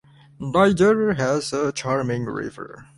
Niger has a charming river.